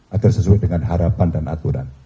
agar sesuai dengan harapan dan aturan